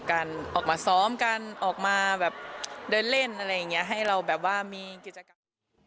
การออกมาซ้อมการออกมาเดินเล่นให้เรามีกิจกรรม